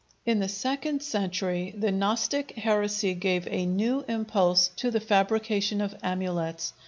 In the second century the Gnostic heresy gave a new impulse to the fabrication of amulets.